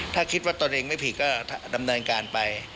ถ้าคิดว่าตนเองไม่ผิดก็ดำเนินการไป